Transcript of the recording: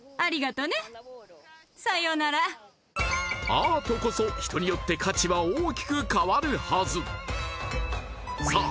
アートこそ人によって価値は大きく変わるはずさあ